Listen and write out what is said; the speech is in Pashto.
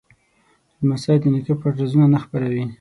لمسی د نیکه پټ رازونه نه خپروي.